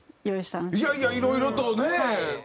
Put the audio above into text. いやいやいろいろとね。